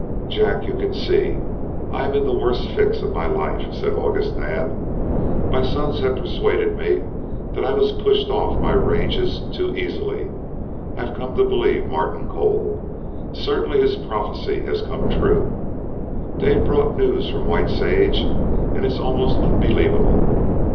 "Jack, you can see I am in the worst fix of my life," said August Naab. "My sons have persuaded me that I was pushed off my ranges too easily. I've come to believe Martin Cole; certainly his prophecy has come true. Dave brought news from White Sage, and it's almost unbelievable.